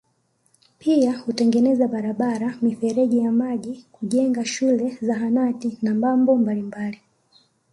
Pia hutengeneza barabara mifereji ya maji kujenga shule Zahanati na mambo mabalimbali